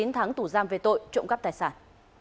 ba mươi chín tháng tù giam về tội trộm cắp tài sản